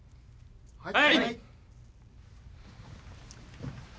はい！